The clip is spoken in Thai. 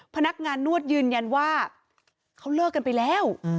พนักงานนวดยืนยันว่าเขาเลิกกันไปแล้ว